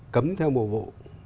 cấm theo bộ vụ